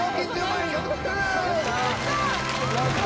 やった。